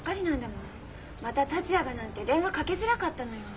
「また達也が」なんて電話かけづらかったのよ。